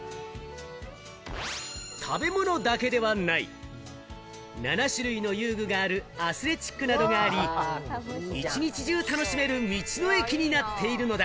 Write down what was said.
食べ物だけではない、７種類の遊具があるアスレチックなどがあり、一日中楽しめる道の駅になっているのだ。